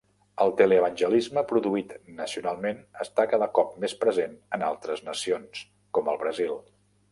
El teleevangelisme produït nacionalment està cada cop més present en altres nacions com el Brasil.